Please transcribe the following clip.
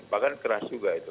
bahkan keras juga itu